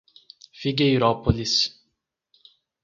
Figueirópolis